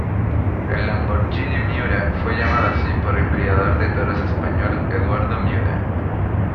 El Lamborghini Miura fue llamado así por el criador de toros español Eduardo Miura.